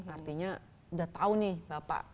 artinya udah tahu nih bapak